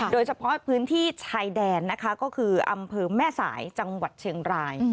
โดยเฉพาะพื้นที่ชายแดนนะคะก็คืออำเภอแม่สายจังหวัดเชียงราย